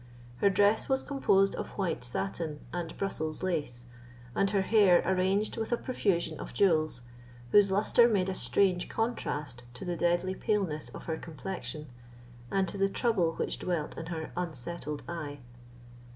Her dress was composed of white satin and Brussels lace, and her hair arranged with a profusion of jewels, whose lustre made a strange contrast to the deadly paleness of her complexion, and to the trouble which dwelt in her unsettled eye.